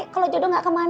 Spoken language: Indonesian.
kalau jodoh gak kemana